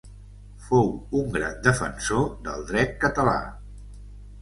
Fou un gran defensor del dret català.